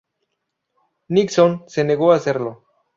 Nixon se negó a hacerlo.